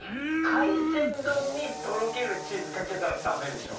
海鮮丼にとろけるチーズかけたらダメでしょ？